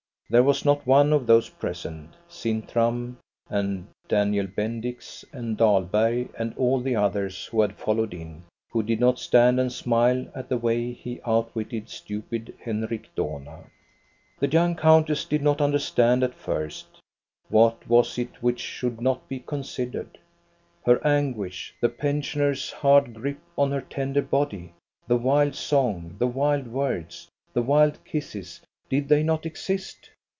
There was not one of those present — Sintram and Daniel Bendix and Dahlberg and all the others who had followed in — who did not stand and smile at the way he outwitted stupid Henrik* Dohna. The young countess did not understand at first What was it which should not be considered ? Her anguish, the pensioner's hard grip on her tender body, the wild song, the wild words, the wild kisses, did they not exist?